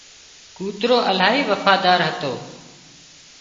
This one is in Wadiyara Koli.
ڪوترو الاهي وفادار هتو